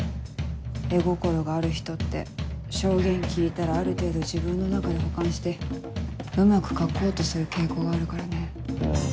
絵心がある人って証言聞いたらある程度自分の中で補完してうまく描こうとする傾向があるからね。